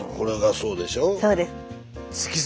そうです。